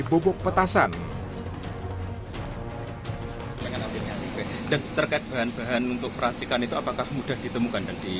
pupuk petasan dan terkait bahan bahan untuk perancikan itu apakah mudah ditemukan dan di